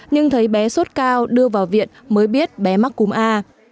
nhưng thấy bé sốt cao đưa vào viện mới biết bé mắc cúm a